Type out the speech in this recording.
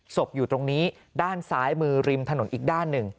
อยู่ตรงนี้ด้านซ้ายมือริมถนนอีกด้านหนึ่ง